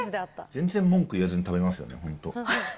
全然文句言わずに食べますよね、本当。